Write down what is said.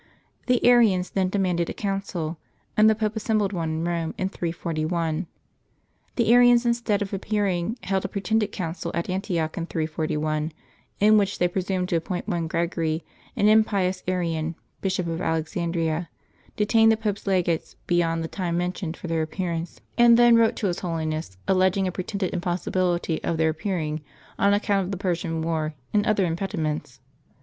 The Arians then demanded a council, and the Pope assem bled one in Rome in 341. The Arians instead of appear ing held a pretended council at Antioch in 341, in which they presumed to appoint one Gregory, an impious Arian, Bishop of Alexandria, detained the Pope's legates beyond Apeh 13] LIVES OF THE SAINTS 145 the time mentioned foi their appearance; and then wrote to his Holiness, alleging a pretended impossibility of their appearing, on account of the Persian war and other im pediments.